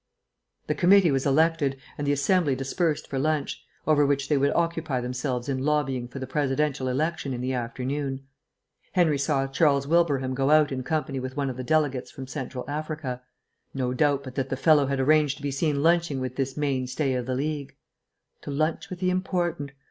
The committee was elected and the Assembly dispersed for lunch, over which they would occupy themselves in lobbying for the Presidential election in the afternoon. Henry saw Charles Wilbraham go out in company with one of the delegates from Central Africa. No doubt but that the fellow had arranged to be seen lunching with this mainstay of the League. To lunch with the important